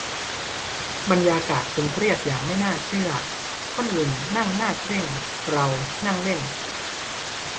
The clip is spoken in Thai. บรรยากาศตึงเครียดอย่างไม่น่าเชื่อ คนอื่นนั่งหน้าเคร่ง เรานั่งเล่น